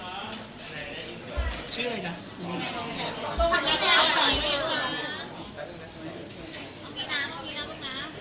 มันเป็นสิ่งที่หนูต้องการมาตั้งแต่แรกแล้ว